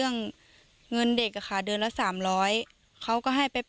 ฟังเสียงซายกันหน่อยค่ะ